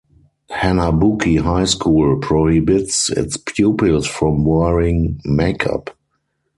Hanabuki High School prohibits its pupils from wearing makeup.